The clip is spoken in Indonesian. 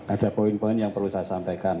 ada poin poin yang perlu saya sampaikan